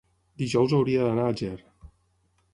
dijous hauria d'anar a Ger.